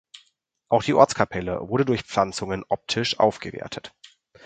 Auch die Ortskapelle wurde durch Pflanzungen optisch aufgewertet.